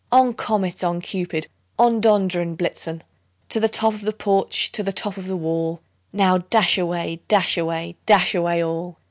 On! Comet, on! Cupid, on! Dunder and Blitzen To the top of the porch, to the top of the wall! Now, dash away, dash away, dash away all!"